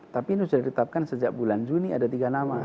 tapi ini sudah ditetapkan sejak bulan juni ada tiga nama